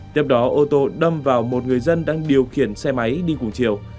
tiếp đó ô tô đâm vào một người dân đang điều khiển xe máy đi cùng chiều